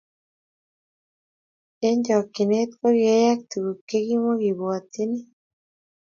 eng chokchinet kiyayak tuguk chegimagibwatyini